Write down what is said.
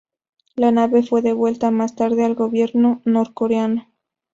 La nave fue devuelta más tarde al gobierno norcoreano.